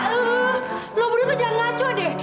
lo buru tuh jangan ngaco deh